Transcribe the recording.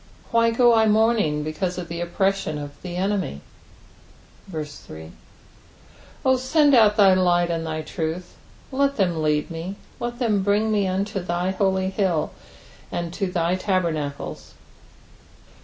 why go I mourning because of the oppression of the enemy ? 3 O send out thy light and thy truth : let them lead me ; let them bring me unto thy holy hill, and to thy tabernacles.